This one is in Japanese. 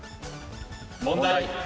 問題。